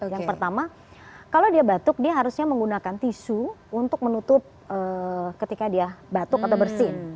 yang pertama kalau dia batuk dia harusnya menggunakan tisu untuk menutup ketika dia batuk atau bersin